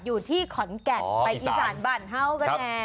อยู่ที่ขอนแก่นไปอีสานบั่นเฮ่ากันแน่